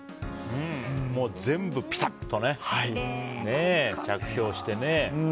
全部ピタッと着氷してね。